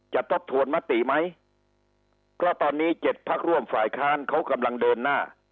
ทบทวนมติไหมเพราะตอนนี้เจ็ดพักร่วมฝ่ายค้านเขากำลังเดินหน้า